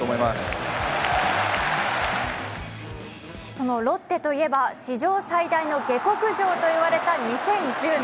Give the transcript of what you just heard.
そのロッテといえば史上最大の下克上と言われた２０１０年。